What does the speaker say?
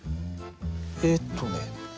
えっとね